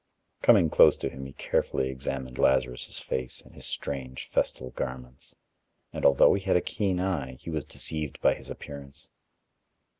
Coming close to him, he carefully examined Lazarus' face and his strange festal garments. And although he had a keen eye, he was deceived by his appearance.